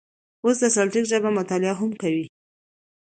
اوس د سلټیک ژبو مطالعه هم کوي.